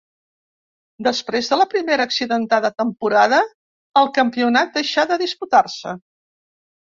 Després de la primera accidentada temporada el campionat deixà de disputar-se.